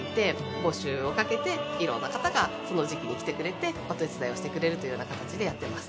募集をかけていろんな方がその時期に来てくれてお手伝いをしてくれるというような形でやってます。